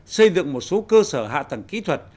xây dựng một số cơ sở hạ tầng kỹ thuật